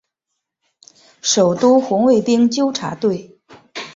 首都红卫兵纠察队。